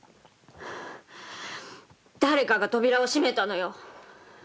「誰かが扉を閉めたのよ」